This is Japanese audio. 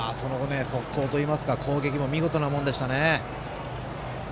速攻といいますか攻撃も見事なところでしたね。